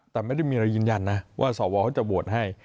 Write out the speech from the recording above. แต่ไม่ได้มีอะไรยืนยันนะว่าสวเขาจะโหวตให้